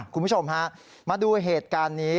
คุณผู้ชมฮะมาดูเหตุการณ์นี้